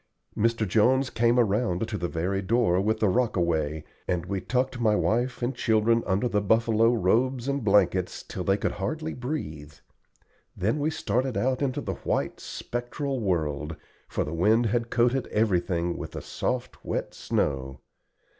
Mr. Jones came around to the very door with the rockaway, and we tucked my wife and children under the buffalo robes and blankets till they could hardly breathe. Then we started out into the white, spectral world, for the wind had coated everything with the soft, wet snow.